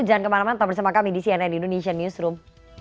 jangan kemana mana tetap bersama kami di cnn indonesian newsroom